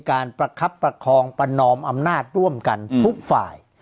การทุกฝ่าย